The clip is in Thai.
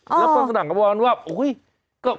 แล้วก็สนั่งกับว่า